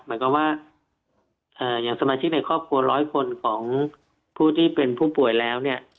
หมายความว่าอย่างสมาชิกในครอบครัวร้อยคนของผู้ที่เป็นผู้ป่วยแล้วเนี่ย